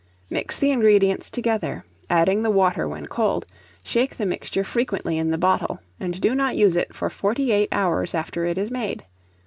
Mix the ingredients together, adding the water when cold; shake the mixture frequently in the bottle, and do not use it for 48 hours after it is made.